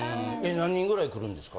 何人ぐらい来るんですか？